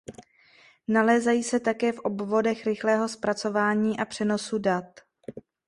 Nalézají se také v obvodech rychlého zpracování a přenosu dat.